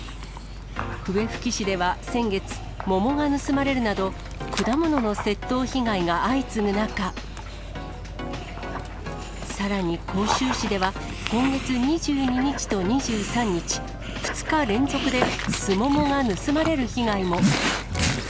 笛吹市では先月、桃が盗まれるなど、果物の窃盗被害が相次ぐ中、さらに甲州市では、今月２２日と２３日、２日連続でスモモが盗まれる被害も。